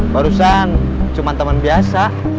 barusan cuma temen biasa